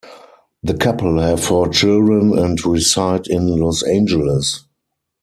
The couple have four children and reside in Los Angeles.